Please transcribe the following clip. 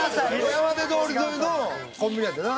山手通り沿いのコンビニやったな。